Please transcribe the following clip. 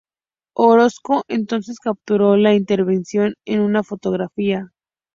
Orozco entonces capturó la intervención en una fotografía.